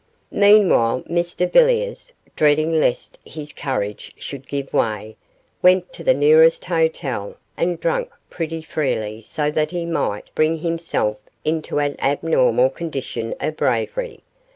Meanwhile Mr Villiers, dreading lest his courage should give way, went to the nearest hotel and drank pretty freely so that he might bring himself into an abnormal condition of bravery.